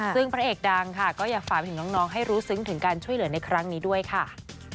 ซึ่งพระเอกดังค่ะก็อยากฝากไปถึงน้องให้รู้ซึ้งถึงการช่วยเหลือในครั้งนี้ด้วยค่ะ